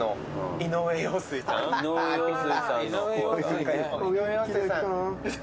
井上陽水さんの。